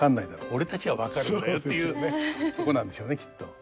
俺たちは分かるんだよ」っていうねとこなんでしょうねきっと。